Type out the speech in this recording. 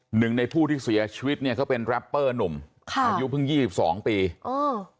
หนึ่งในผู้ที่เสียชีวิตเนี่ยเขาเป็นแรปเปอร์หนุ่มค่ะอายุเพิ่งยี่สิบสองปีเออ